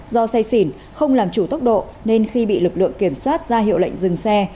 do say xỉn không làm chủ tốc độ nên khi bị lực lượng kiểm soát ra hiệu lệnh dừng xe